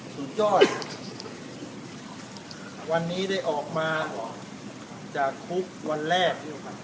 สุดยอดวันนี้ได้ออกมาจากคุกวันแรก